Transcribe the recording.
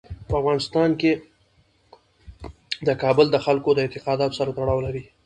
په افغانستان کې کابل د خلکو د اعتقاداتو سره تړاو لري.